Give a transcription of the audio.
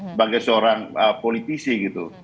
sebagai seorang politisi gitu